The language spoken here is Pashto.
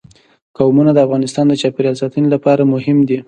قومونه د افغانستان د چاپیریال ساتنې لپاره مهم دي.